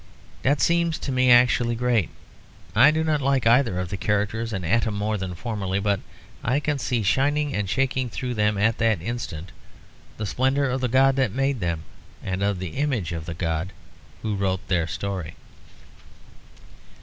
That seems to me actually great; I do not like either of the characters an atom more than formerly; but I can see shining and shaking through them at that instant the splendour of the God that made them and of the image of God who wrote their story.